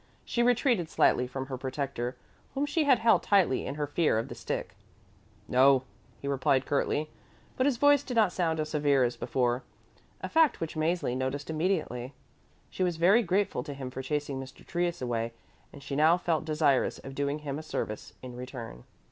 She retreated slightly from her protector, whom she had held tightly in her fear of the stick. "No," he replied curtly, but his voice did not sound as severe as before, a fact which Mäzli noticed immediately. She was very grateful to him for chasing Mr. Trius away and she now felt desirous of doing him a service in return.